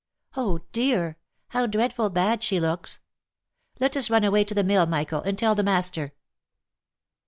Oh dear! how dreadful bad she looks. Let us run away to the mill, Michael, and tell the master."